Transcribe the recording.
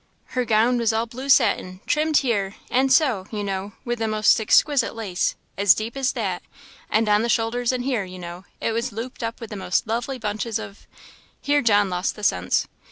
"Her gown was all blue satin, trimmed here and so you know, with the most exquisite lace, as deep as that and on the shoulders and here, you know, it was looped up with the most lovely bunches of" here John lost the sense.